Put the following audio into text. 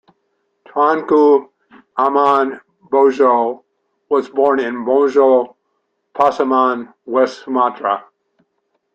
Tuanku Imam Bonjol was born in Bonjol, Pasaman, West Sumatra.